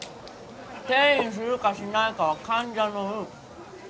転移するかしないかは患者の運。